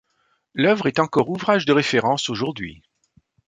L’œuvre est encore ouvrage de référence aujourd’hui.